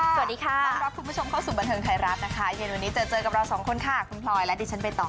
สวัสดีค่ะต้อนรับคุณผู้ชมเข้าสู่บันเทิงไทยรัฐนะคะเย็นวันนี้เจอเจอกับเราสองคนค่ะคุณพลอยและดิฉันใบตอง